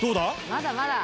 まだまだ。